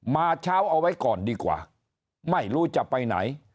มาเช้าเอาไว้ก่อนดีกว่าไม่รู้จะไปไหน